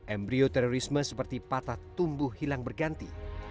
embryo terorisme seperti patah tumbuh hilang berganti